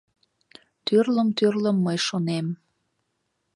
Тӱрлым-тӱрлым мый шонем